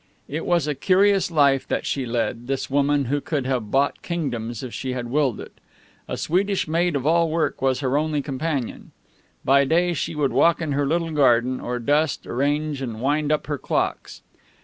It was a curious life that she led, this woman who could have bought kingdoms if she had willed it. A Swedish maid of all work was her only companion. By day she would walk in her little garden, or dust, arrange and wind up her clocks.